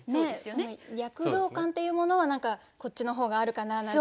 躍動感っていうものはこっちの方があるかななんて。